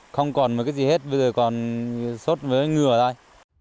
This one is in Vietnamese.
không còn một cái gì hết bây giờ còn sốt với ngựa thôi